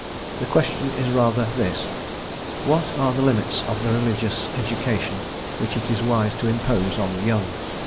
The question is rather this: "What are the limits of the religious education which it is wise to impose on the young?